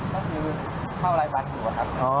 เมื่อที่เมื่อเข้าอะไรบ้านอยู่ครับ